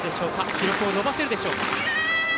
記録を伸ばせるでしょうか。